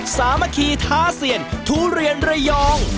สามัคคีท้าเซียนทุเรียนระยอง